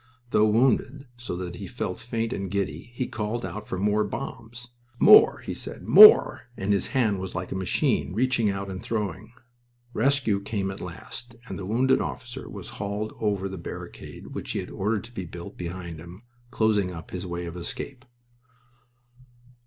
Though wounded so that he felt faint and giddy, he called out for more bombs. "More!" he said, "More!" and his hand was like a machine reaching out and throwing. Rescue came at last, and the wounded officer was hauled over the barricade which he had ordered to be built behind him, closing up his way of escape.